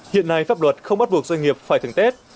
hiện nay pháp luật không bắt buộc doanh nghiệp phải thưởng tết